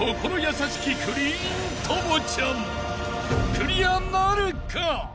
［クリアなるか？］